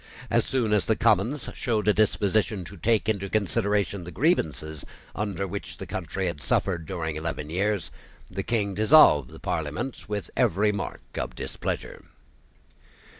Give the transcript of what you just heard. As soon as the Commons showed a disposition to take into consideration the grievances under which the country had suffered during eleven years, the King dissolved the Parliament with every mark of displeasure.